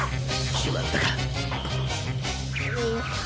決まったか。